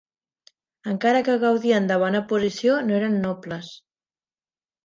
Encara que gaudien de bona posició no eren nobles.